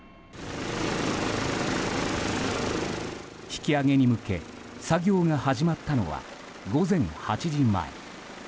引き揚げに向け作業が始まったのは午前８時前。